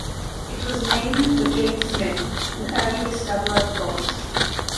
It was named for James Smith, an early discoverer of gold.